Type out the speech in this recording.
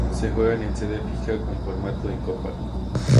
Se juegan en sede fija, con formato de copa.